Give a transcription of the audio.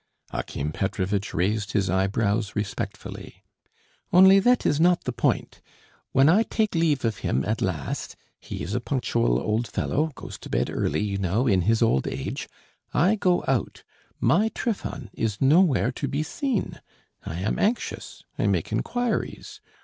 He he!" Akim Petrovitch raised his eyebrows respectfully. "Only that is not the point. When I take leave of him at last he is a punctual old fellow, goes to bed early, you know, in his old age I go out.... My Trifon is nowhere to be seen! I am anxious, I make inquiries.